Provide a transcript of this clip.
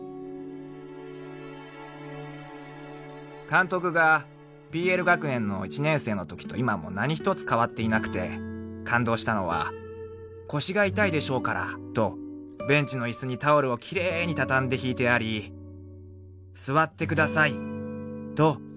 ［「監督がＰＬ学園の一年生の時と今も何一つ変わっていなくて感動したのは腰が痛いでしょうからとベンチのイスにタオルをきれいにたたんでひいてあり座って下さいと言ってくれました」］